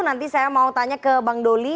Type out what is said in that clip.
nanti saya mau tanya ke bang doli